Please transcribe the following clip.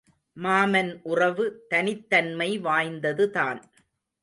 மாமன் உறவு தனித் தன்மை வாய்ந்தது தான்.